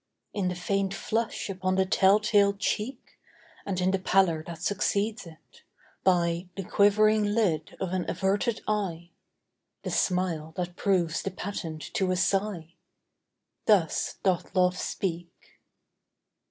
In the faint flush upon the tell tale cheek, And in the pallor that succeeds it; by The quivering lid of an averted eye The smile that proves the patent to a sigh Thus doth Love speak.